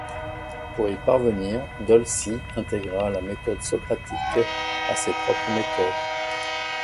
Pour y parvenir, Dolci intégra la méthode socratique à ses propres méthodes.